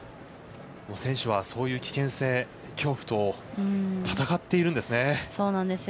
選手はそういう危険性、恐怖と戦っているんですね。